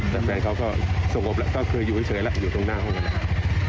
แต่แฟนเขาก็สงบแล้วก็คืออยู่เฉยแล้วอยู่ตรงหน้าห้องนั่นแหละ